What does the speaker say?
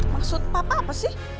maksud papa apa sih